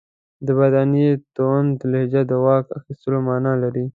د برټانیې تونده لهجه د واک اخیستلو معنی لري.